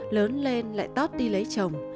lớn lên lại tót đi lấy chồng